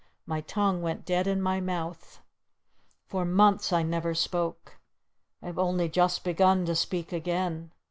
My tongue went dead in my mouth! For months I never spoke! I've only just begun to speak again!